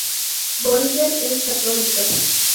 Bolger es católica.